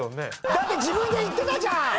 だって自分で言ってたじゃん！